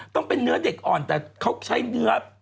ต้องเป็นเนื้อเด็กอ่อนแต่เขาใช้เนื้อ